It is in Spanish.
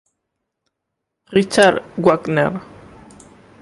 Richard Wagner".